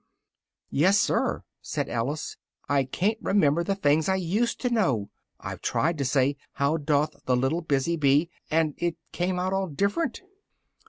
"Yes, sir," said Alice, "I ca'n't remember the things I used to know I've tried to say "How doth the little busy bee" and it came all different!"